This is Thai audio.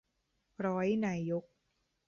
ร้อยนายก